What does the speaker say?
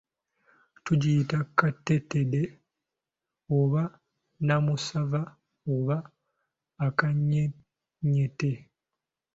Tugiyita katetedde oba nnamusava oba akanyenyette.